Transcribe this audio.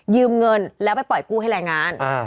เงินแล้วไปปล่อยกู้ให้แรงงาน